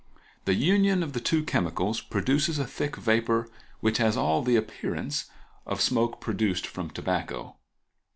The union of the two chemicals produces a thick vapor, which has all the appearance of smoke produced from tobacco.